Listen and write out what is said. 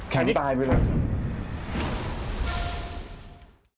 แข็งตายไหมล่ะ